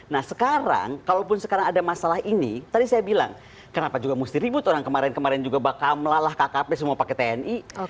nah sekarang kalaupun sekarang ada masalah ini tadi saya bilang kenapa juga mesti ribut orang kemarin kemarin juga bakamlah lah kkp semua pakai tni